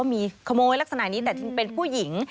มีขโมยลักษณะนี้แต่จริงเป็นผู้หญิง